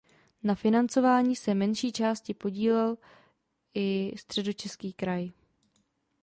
Na financování se menší části podílel i Středočeský kraj.